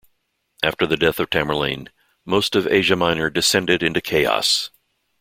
After the death of Tamerlane, most of Asia Minor descended into chaos.